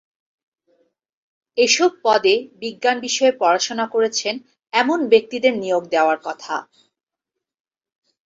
এসব পদে বিজ্ঞান বিষয়ে পড়াশোনা করেছেন এমন ব্যক্তিদের নিয়োগ দেওয়ার কথা।